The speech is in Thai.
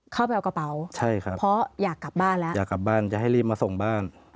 เข้าไปเอากระเป๋าใช่ครับเพราะอยากกลับบ้านแล้วอยากกลับบ้านจะให้รีบมาส่งบ้าน